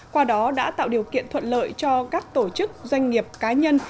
qua đó đã tạo điều kiện thuận lợi cho các tổ chức doanh nghiệp cá nhân